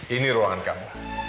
ini ruangan kamu